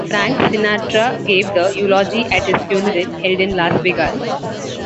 Frank Sinatra gave the eulogy at his funeral, held in Las Vegas.